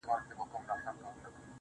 o چي بيا ترې ځان را خلاصولای نسم.